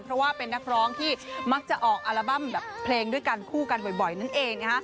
เพราะว่าเป็นนักร้องที่มักจะออกอัลบั้มแบบเพลงด้วยกันคู่กันบ่อยนั่นเอง